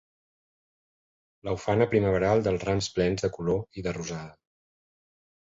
La ufana primaveral dels rams plens de color i de rosada;